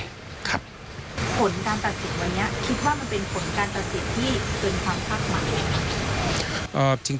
ผลการตัดสินวันนี้คิดว่ามันเป็นผลการตัดสินที่เกินความคาดหมาย